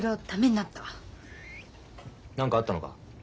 何かあったのか？